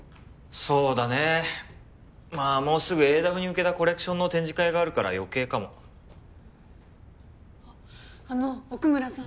そうだねまあもうすぐエーダブに向けたコレクションの展示会があるから余計かもあの奥村さん